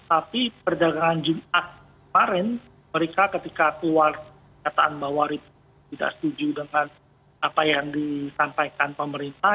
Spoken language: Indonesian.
tapi perdagangan jumat kemarin mereka ketika keluar kataan bahwa tidak setuju dengan apa yang disampaikan pemerintah